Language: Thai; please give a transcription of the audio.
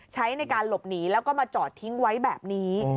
ใช้ในการหลบหนีแล้วก็มาจอดทิ้งไว้แบบนี้